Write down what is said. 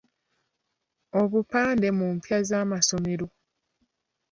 Obupande mu mpya z'amasomero.